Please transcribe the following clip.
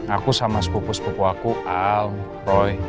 aku sama sepupu sepupu aku al roy